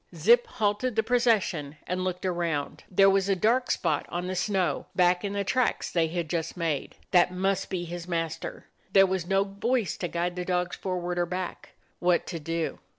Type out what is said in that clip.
Zip halted the procession and looked around. There was a dark spot on the snow back in the tracks they had just made. That piust be his master. There was no voice to guide the dogs forward or back. What to do?